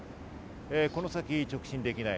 この先、直進できない。